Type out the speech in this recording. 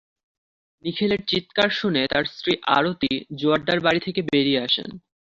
নিখিলের চিৎকার শুনে তাঁর স্ত্রী আরতি জোয়ারদার বাড়ি থেকে বেরিয়ে আসেন।